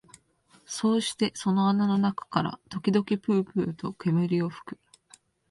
そうしてその穴の中から時々ぷうぷうと煙を吹く